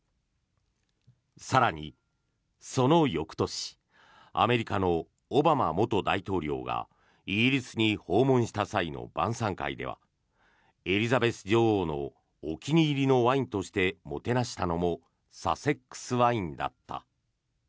更に、その翌年アメリカのオバマ元大統領がイギリスに訪問した際の晩さん会ではエリザベス女王のお気に入りのワインとして、もてなしたのもサセックス・ワインだった。